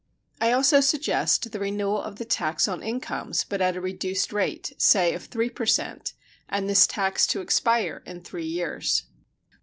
I also suggest the renewal of the tax on incomes, but at a reduced rate, say of 3 per cent, and this tax to expire in three years.